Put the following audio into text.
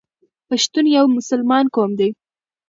پښتون یو مسلمان قوم دی.